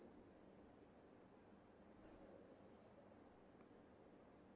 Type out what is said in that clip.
dan kemampuan yang harus diperlukan